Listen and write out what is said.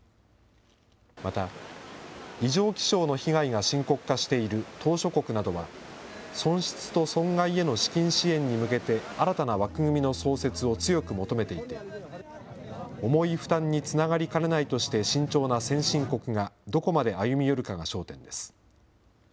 また、異常気象の被害が深刻化している島しょ国などは、損失と損害への資金支援に向けて、新たな枠組みの創設を強く求めていて、重い負担につながりかねないとして慎重な先進国がどこまで歩み寄るかが焦点です。